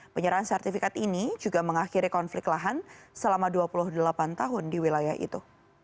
penyerahan sertifikat ini juga mengakhiri konflik lahan selama dua puluh delapan tahun di wilayah itu